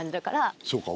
そうか。